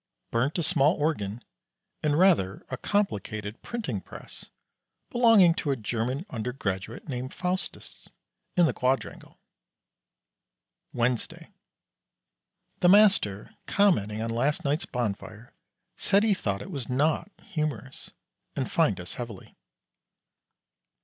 Burnt a small organ, and rather a complicated printing press, belonging to a German undergraduate named Faustus, in the Quadrangle. Wednesday. The master commenting on last night's bonfire said he thought it was not humorous, and fined us heavily.